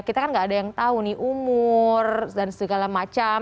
kita kan gak ada yang tahu nih umur dan segala macam